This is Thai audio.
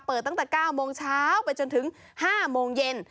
ตั้งแต่๙โมงเช้าไปจนถึง๕โมงเย็น